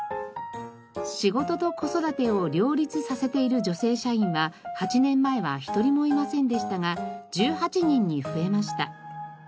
仕事と子育てを両立させている女性社員は８年前は１人もいませんでしたが１８人に増えました。